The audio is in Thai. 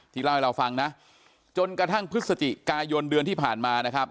เล่าให้เราฟังนะจนกระทั่งพฤศจิกายนเดือนที่ผ่านมานะครับ